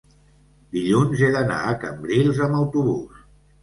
dilluns he d'anar a Cambrils amb autobús.